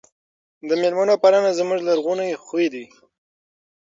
د مېلمنو پالنه زموږ لرغونی خوی دی.